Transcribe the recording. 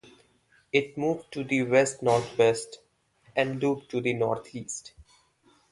It moved to the west-northwest, and looped to the northeast.